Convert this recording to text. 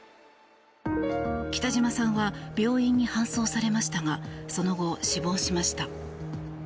北島さんは病院に搬送されましたがその後、死亡しました。